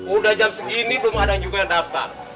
udah jam segini belum ada juga yang daftar